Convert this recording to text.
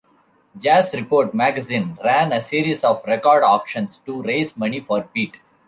"Jazz Report" magazine ran a series of record auctions to raise money for Pete.